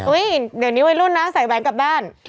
อุ๊ยเดี๋ยวนี้ไว้รุ่นนะใส่แบบกลับบ้าน